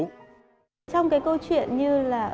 trong cái câu chuyện như